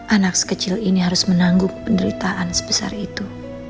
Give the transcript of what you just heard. anak sekecil ini harus menanggung penderitaan sebesar itu